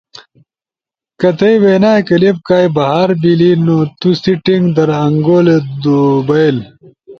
کہ تھئی وینا کلپ کائی بھار بیلی نو تو سیٹینگ در انگولی دو بئیل